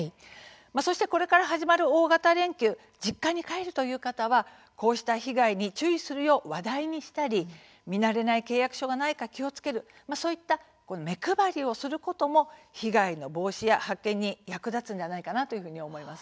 そして、これから始まる大型連休実家に帰るという方はこうした被害に注意するよう話題にしたり見慣れない契約書がないか気をつけるそうした目配りをすることも被害の防止や発見に役立つのではないかなと思います。